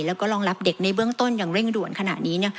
แล้วก็รองรับเด็กในเบื้องต้นอย่างเร่งด่วนขณะนี้